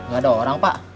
gak ada orang pak